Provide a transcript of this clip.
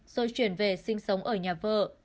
rồi chuyển về sinh sống ở nhà vợ